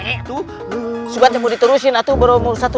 kita masih ada yang ingin kita semua ketambah